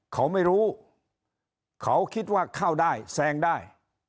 เขาไม่รู้เขาคิดว่าเข้าได้แซงได้